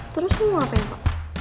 terus lo mau ngapain pak